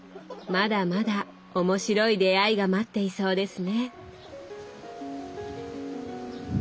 まだまだ面白い出会いが待っていそうですね。